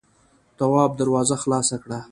تواب دروازه خلاصه کړه.